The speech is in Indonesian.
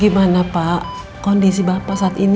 gimana pak kondisi bapak saat ini